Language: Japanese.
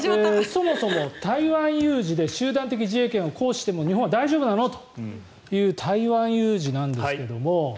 そもそも、台湾有事で集団的自衛権を行使しても日本は大丈夫なのという台湾有事なんですけども。